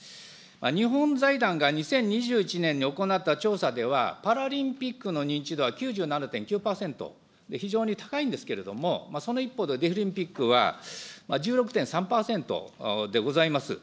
日本財団が２０２１年に行った調査では、パラリンピックの認知度は９７．９％、非常に高いんですけれども、その一方で、デフリンピックは１６．３％でございます。